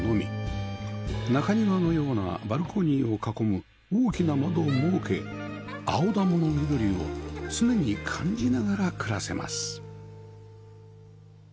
中庭のようなバルコニーを囲む大きな窓を設けアオダモの緑を常に感じながら暮らせます